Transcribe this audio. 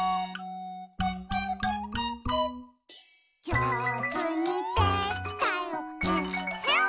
「じょうずにできたよえっへん」